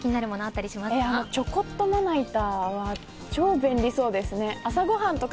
ちょこっとまな板は超便利そうですね。